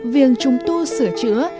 việc trung tu sửa chữa